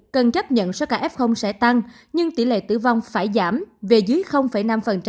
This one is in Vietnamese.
tỷ lệ tử vong sẽ tăng nhưng tỷ lệ tử vong phải giảm về dưới năm